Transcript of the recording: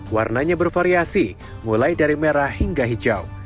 warnanya bervariasi mulai dari merah hingga hijau